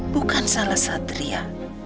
bukan salah satria